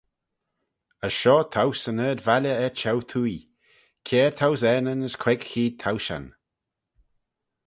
As shoh towse yn ard-valley er cheu-twoaie, kiare thousaneyn as queig cheead towshan.